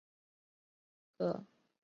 镍镉电池是一种流行的蓄电池。